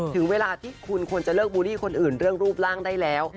ถึงเวลาที่คุณควรจะเลิกบูลลี่คนอื่นเรื่องรูปร่างได้แล้ว